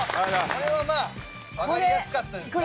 あれはまあわかりやすかったですからね。